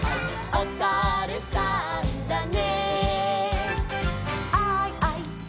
「おさるさんだね」